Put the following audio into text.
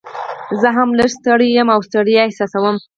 زه هم لږ څه ستړی یم او ستړیا احساسوم.